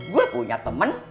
gue punya temen